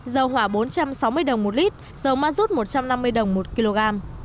dầu hỏa bốn trăm sáu mươi đồng một lít dầu ma rút một trăm năm mươi đồng một kg